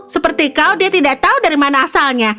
seperti kau dia tidak tahu dari mana asalnya